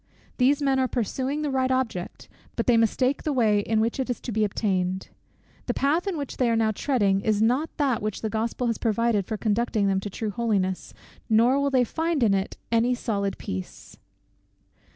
These men are pursuing the right object, but they mistake the way in which it is to be obtained. _The path in which they are now treading is not that which the Gospel has provided for conducting them to true holiness, nor will they find in it any solid peace.